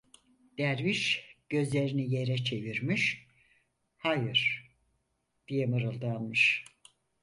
Derviş gözlerini yere çevirmiş: "Hayır!" diye mırıldanmış.